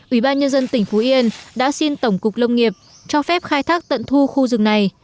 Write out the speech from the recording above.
ủy ban nhân dân tỉnh phú yên đã xin tổng cục lông nghiệp cho phép khai thác tận thu khu rừng này